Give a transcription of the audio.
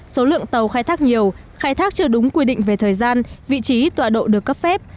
số lượng tàu khai thác nhiều khai thác chưa đúng quy định về thời gian vị trí tọa độ được cấp phép